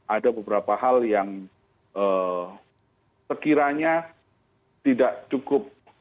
ada beberapa hal yang sekiranya tidak cukup